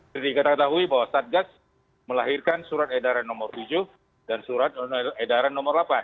jadi kita tahu bahwa satgas melahirkan surat edaran nomor tujuh dan surat edaran nomor lapan